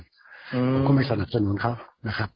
ก็ไม่สนับสนุนเขานะครับ